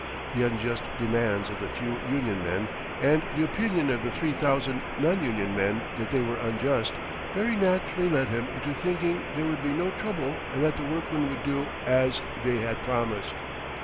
The unjust demands of the few union men, and the opinion of the three thousand non union men that they were unjust, very naturally led him into thinking there would be no trouble and that the workmen would do as they had promised.